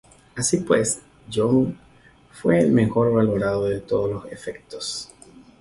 Así pues, "John" fue mejor valorado a todos los efectos.